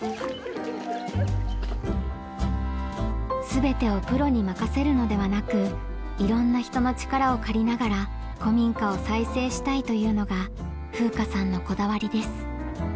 全てをプロに任せるのではなくいろんな人の力を借りながら古民家を再生したいというのが風夏さんのこだわりです。